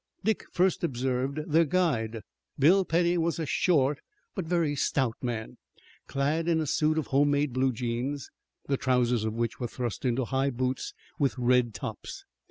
Dick first observed their guide. Bill Petty was a short but very stout man, clad in a suit of home made blue jeans, the trousers of which were thrust into high boots with red tops.